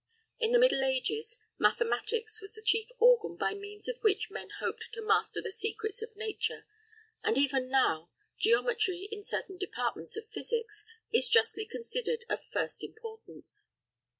In the middle ages, mathematics was the chief organ by means of which men hoped to master the secrets of nature, and even now, geometry in certain departments of physics, is justly considered of first importance.